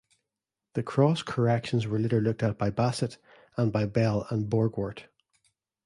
The Cross Corrections were later looked at by Bassett and by Bell and Borgwardt.